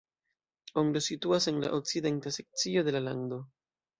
Ondo situas en la okcidenta sekcio de la lando.